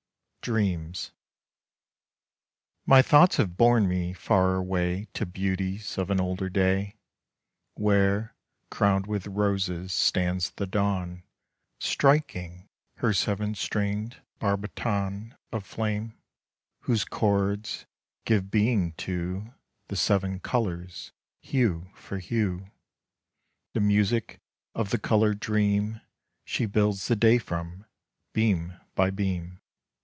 DREAMS. My thoughts have borne me far away To Beauties of an older day, Where, crowned with roses, stands the DAWN, Striking her seven stringed barbiton Of flame, whose chords give being to The seven colours, hue for hue; The music of the colour dream She builds the day from, beam by beam.